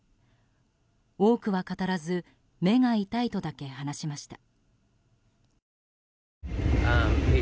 多くは語らず目が痛いとだけ話しました。